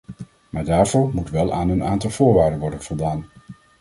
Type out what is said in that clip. Maar daarvoor moet wel aan een aantal voorwaarden worden voldaan.